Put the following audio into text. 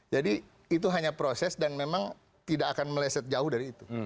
jadi itu hanya proses dan memang tidak akan meleset jauh dari itu